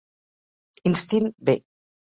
Instint B